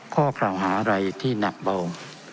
ข้อกล่าวหาอะไรที่หนักเบา